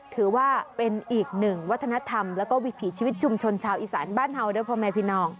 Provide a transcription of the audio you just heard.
ถือว่าเป็นอีกหนึ่งวัฒนธรรมแล้วก็วิถีชีวิตชุมชนชาวอีสานบ้านเฮาด้วยพ่อแม่พี่น้อง